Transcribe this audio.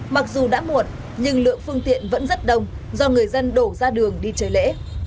mặc dù đã muộn nhưng lượng phương tiện vẫn rất đông do người dân đổ ra đường đi chơi lễ